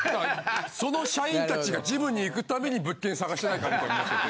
その社員達がジムに行くために物件探してないかみたいになってて。